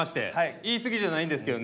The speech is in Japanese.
言い過ぎじゃないんですけどね